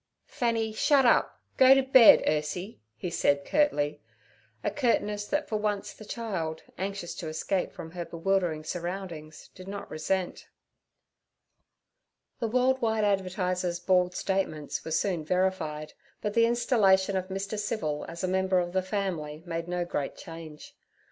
'Fanny, shut up! Go to bed, Ursie' he said curtly—a curtness that for once the child, anxious to escape from her bewildering surroundings, did not resent. The World wide Advertiser's bald statements were soon verified, but the installation of Mr. Civil as a member of the family made no great change.